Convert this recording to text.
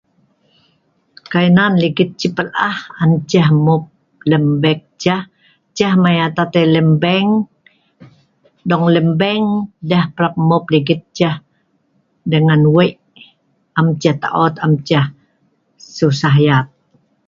Kai nan ligit ceh pel'ah an ceh munng lem bag ceh, ceh mei atat lem bank, dong lem bank deh parap mu'uk ligit ceh, dengan wik, am ceh taot, am ceh susah yat